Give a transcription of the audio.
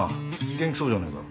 元気そうじゃねえかよ。